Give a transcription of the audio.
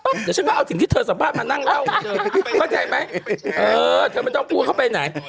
เดี๋ยวฉันก็เอาสิ่งที่เธอสัมภาษณ์มานั่งเล่าเข้าใจไหมเออเธอไม่ต้องกลัวเขาไปไหน